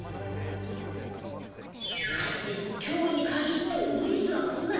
しかし今日にかぎってウグイスは来ない。